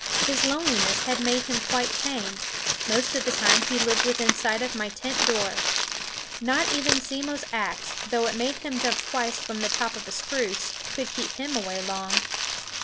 His loneliness had made him quite tame. Most of the time he lived within sight of my tent door. Not even Simmo's axe, though it made him jump twice from the top of a spruce, could keep him long away.